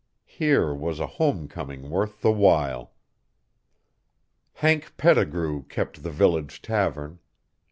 Here was a home coming worth the while. Hank Pettigrew kept the village tavern.